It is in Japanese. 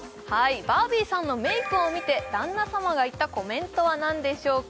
バービーさんのメイクを見て旦那様が言ったコメントは何でしょうか？